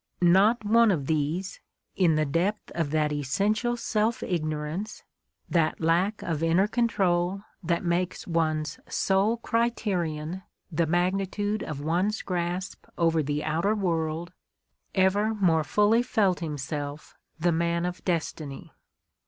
Not one of these, in the depth of that essential self ignorance, that lack of inner control that makes one's sole criterion the Mark Twain's Despair 23 magnitude of one's grasp over the outer world, ever more fully felt himself the man of destiny.